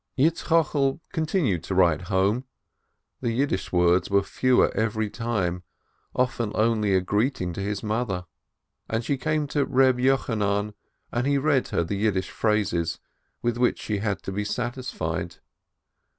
Yitzchokel continued to write home, the Yiddish words were fewer every time, often only a greeting to his mother. And she came to Reb Yochanan, and he read her the Yiddish phrases, with which she had to be satisfied.